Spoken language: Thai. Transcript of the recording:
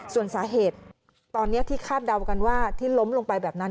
ส่วนสาเหตุตอนนี้ที่คาดเดากันว่าที่ล้มลงไปแบบนั้น